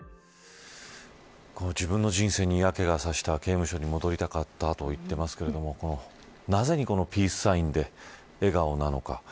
自分の人生に嫌気がさした刑務所に戻りたかったと言っていますがなぜにこのピースサインで笑顔なのか。